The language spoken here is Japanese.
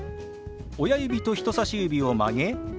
親指と人さし指を曲げ